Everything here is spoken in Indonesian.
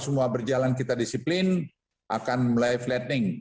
tapi tiga hari terakhir ini kita lihat sudah berkisar selalu bermain di antara tiga puluh ribuan